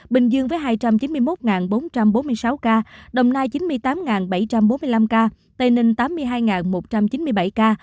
bình dương với hai trăm chín mươi một bốn trăm bốn mươi sáu ca đồng nai chín mươi tám bảy trăm bốn mươi năm ca tây ninh tám mươi hai một trăm chín mươi bảy ca